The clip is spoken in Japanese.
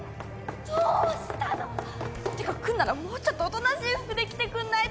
どうしたの！？ってか来んならもうちょっとおとなしい服で来てくんないとさ。